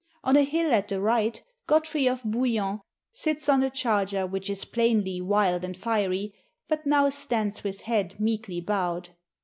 On a hill at the right God frey of Bouillon sits on a charger which is plainly wild and fiery, but now stands with head meekly bowed.